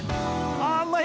あうまい！